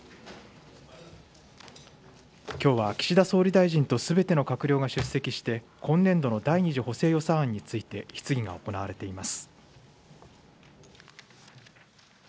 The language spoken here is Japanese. きょうは岸田総理大臣とすべての閣僚が出席して、今年度の第２次補正予算案について質疑が行われています。